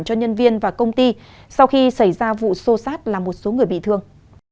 cho nhân viên và công ty sau khi xảy ra vụ xô xát làm một số người bị thương